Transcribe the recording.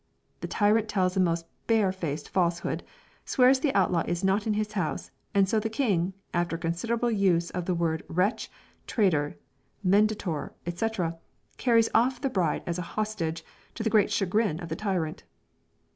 The tyrant tells a most bare faced falsehood, swears the outlaw is not in his house, and so, the king, after considerable use of the word wretch, traitor, menditore, &c., carries off the bride as a hostage, to the great chagrin of the tyrant.